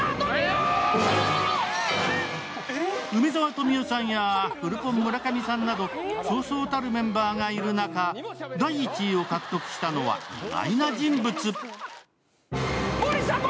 梅沢富美男さんやフルポン村上さんなどそうそうたるメンバーがいる中第１位を獲得したのは意外な人物。